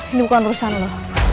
ini bukan urusan lo